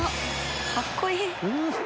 かっこいい！